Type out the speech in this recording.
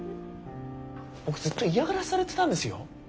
僕ずっと嫌がらせされてたんですよ？